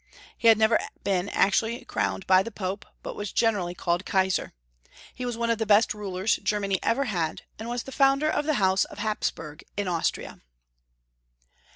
He had never been actually crowned by the Pope, but veas generally called Kaisar. He was one of the best rulers Germany ever had, and was the founder of the House of Hapsburg in Austria.